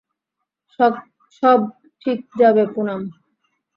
সব ঠিক যাবে, পুনাম।